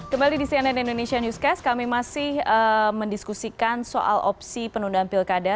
kembali di cnn indonesia newscast kami masih mendiskusikan soal opsi penundaan pilkada